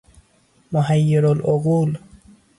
محیر العقول